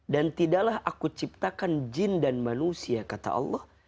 dan tidaklah aku ciptakan jin dan manusia kata allah